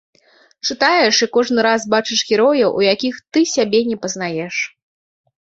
Чытаеш і кожны раз бачыш герояў, у якіх ты сябе не пазнаеш.